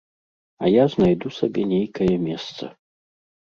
А я знайду сабе нейкае месца.